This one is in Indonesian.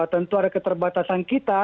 tentu ada keterbatasan kita